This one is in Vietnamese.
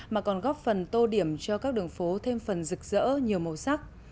mà còn góp phần tô điểm cho các đường phố thêm phần rực rỡ nhiều màu sắc